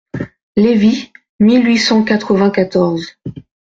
Lévy, mille huit cent quatre-vingt-quatorze.